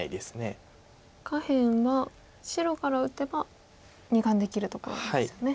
下辺は白から打てば２眼できるところですよね。